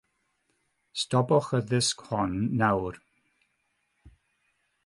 Stopiwch y ddisg hon nawr.